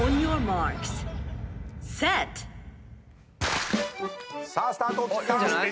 さあスタートを切った！